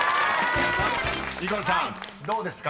［ニコルさんどうですか？